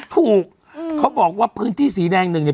เขาบอกว่าพื้นที่สีแดงหนึ่งเนี่ย